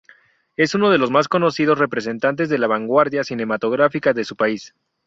Es uno de los más conocidos representantes de la vanguardia cinematográfica de su país.